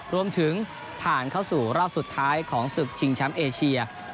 รวมถึงผ่านเข้าสู่รอบสุดท้ายของศึกชิงแชมป์เอเชีย